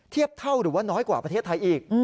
เทียบเท่าหรือว่าน้อยกว่าประเทศไทยอีก